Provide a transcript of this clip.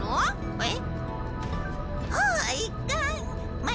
えっ！